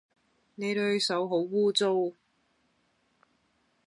你對手好污糟